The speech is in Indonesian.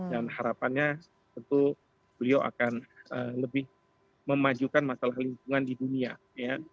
dan harapannya tentu beliau akan lebih memajukan masalah lingkungan di dunia ya